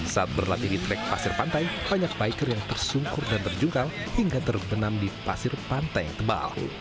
saat berlatih di trek pasir pantai banyak biker yang tersungkur dan terjungkal hingga terbenam di pasir pantai yang tebal